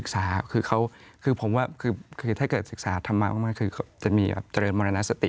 คือผมว่าคือถ้าเกิดศึกษาธรรมะมากคือจะมีแบบเจริญมรณสติ